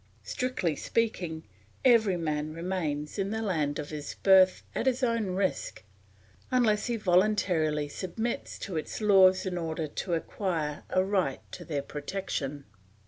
Strictly speaking, every man remains in the land of his birth at his own risk unless he voluntarily submits to its laws in order to acquire a right to their protection.